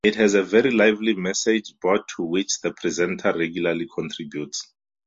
It has a very lively message board to which the presenter regularly contributes.